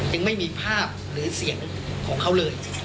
ยังไม่มีภาพหรือเสียงของเขาเลย